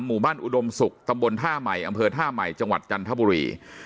หมู่บ้านอุดมศุกร์ตำบลท่าใหม่อำเภอท่าใหม่จังหวัดจันทบุรี